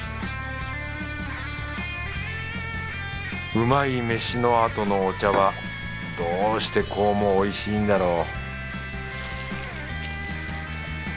うまいめしのあとのお茶はどうしてこうもおいしいんだろう